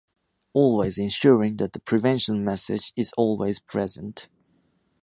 Always ensuring that the prevention message is always present.